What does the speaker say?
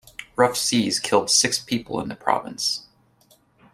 Rough seas killed six people in the province.